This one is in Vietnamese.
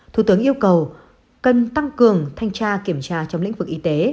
thủ tướng yêu cầu cần tăng cường thanh tra kiểm tra trong lĩnh vực y tế